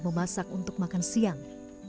waktu masak untuk makan siang